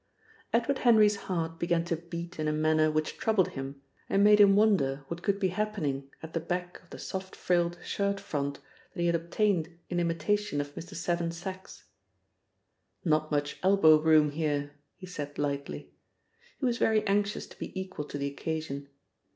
Edward Henry's heart began to beat in a manner which troubled him and made him wonder what could be happening at the back of the soft frilled shirt front that he had obtained in imitation of Mr. Seven Sachs. "Not much elbow room here!" he said lightly. He was very anxious to be equal to the occasion.